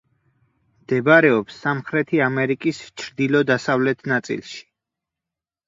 მდებარეობს სამხრეთი ამერიკის ჩრდილო-დასავლეთ ნაწილში.